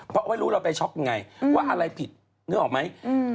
เพราะไม่รู้เราไปช็อกยังไงว่าอะไรผิดนึกออกไหม